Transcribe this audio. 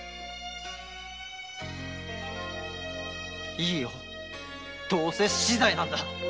いいよどうせ死罪なんだ。